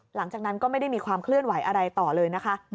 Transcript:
หลังจากนั้นก็ไม่ได้มีความเคลื่อนไหวอะไรต่อเลยนะคะ